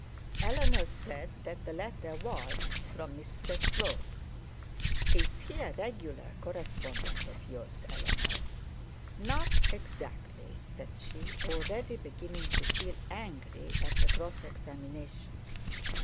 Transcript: Eleanor said that the letter was from Mr Slope. 'Is he a regular correspondent of yours, Eleanor?' 'Not exactly,' said she, already beginning to feel angry at the cross examination.